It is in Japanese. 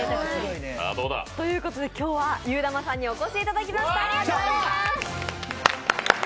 今日はゆーだまさんにお越しいただきました。